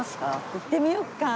行ってみようか！